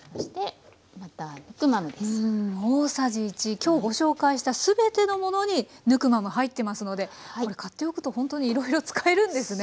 今日ご紹介した全てのものにヌクマム入ってますのでこれ買っておくとほんとにいろいろ使えるんですね。